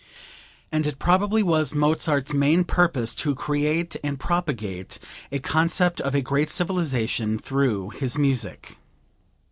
And it probably was Mozart's main purpose to create and propagate a concept of a great civilization through his music.